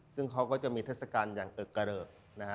ซึ่งเขาก็จะมีเทศกรรมอย่างเกิกกระเริก